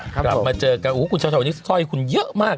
ครับมาเจอกันคุณเช่าคุณซ่อยคุณเยอะมาก